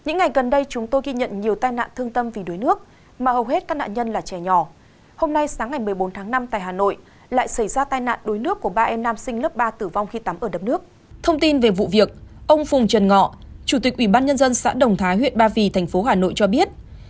các bạn hãy đăng ký kênh để ủng hộ kênh của chúng mình nhé